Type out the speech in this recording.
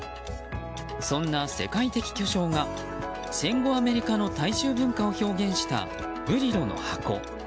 そんな世界的巨匠が戦後アメリカの大衆文化を表現した「ブリロの箱」。